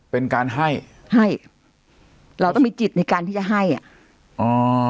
เป็นการให้ให้เราต้องมีจิตในการที่จะให้อ่ะอ๋อ